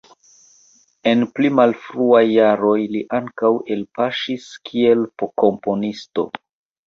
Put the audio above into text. En pli malfruaj jaroj li ankaŭ elpaŝis kiel komponisto.